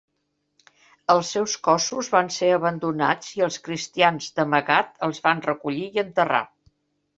Els seus cossos van ser abandonats i els cristians, d'amagat, els van recollir i enterrar.